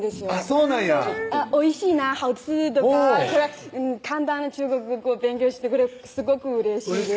そうなんや「おいしいなハオチー」とか簡単な中国語勉強してくれてすごくうれしいです